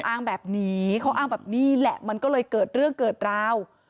อ้างแบบนี้เขาอ้างแบบนี้แหละมันก็เลยเกิดเรื่องเกิดราว